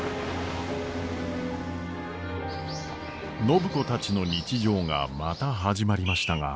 暢子たちの日常がまた始まりましたが。